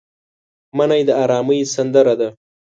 منی د ارامۍ سندره ده